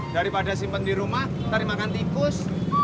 daripada simpen di rumah cari makan tikus